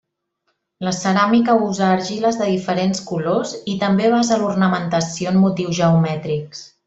La ceràmica usa argiles de diferents colors i també basa l'ornamentació en motius geomètrics.